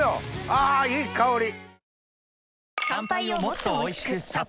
あいい香り！